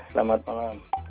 terima kasih pak jaya